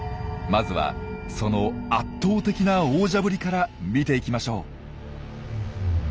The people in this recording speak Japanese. まずはその圧倒的な王者ぶりから見ていきましょう。